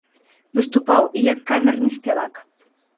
Выступаў і як камерны спявак.